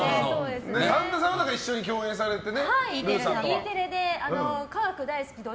神田さんは一緒に共演されてね。